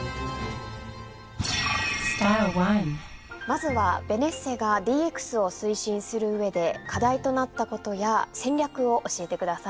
まずはベネッセがＤＸを推進する上で課題となったことや戦略を教えてください。